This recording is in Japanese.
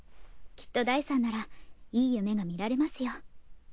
きっとダイさんならいい夢が見られますよ。